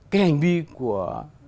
cái hành vi của